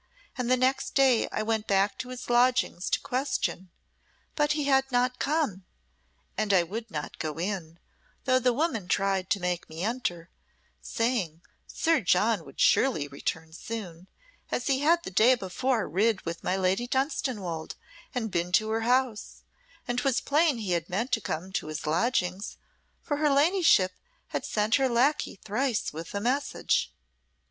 And the next day I went back to his lodgings to question, but he had not come, and I would not go in, though the woman tried to make me enter, saying, Sir John would surely return soon, as he had the day before rid with my Lady Dunstanwolde and been to her house; and 'twas plain he had meant to come to his lodgings, for her ladyship had sent her lacquey thrice with a message."